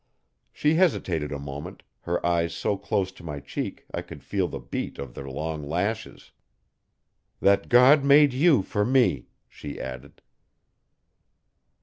She hesitated a moment, her eyes so close to my cheek I could feel the beat of their long lashes. 'That God made you for me,' she added.